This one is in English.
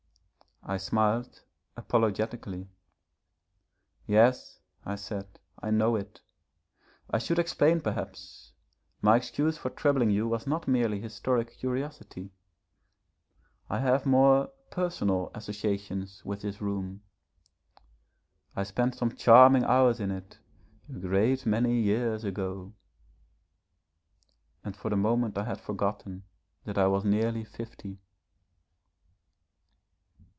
I smiled apologetically. 'Yes,' I said, 'I know it. I should explain perhaps my excuse for troubling you was not merely historic curiosity. I have more personal associations with this room. I spent some charming hours in it a great many years ago ' and for the moment I had forgotten that I was nearly fifty.